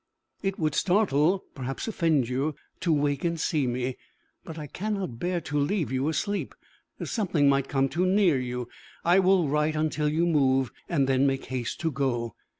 "It would startle, perhaps offend you, to wake and see me; but I cannot bear to leave you asleep. Something might come too near you. I will write until you move, and then make haste to go.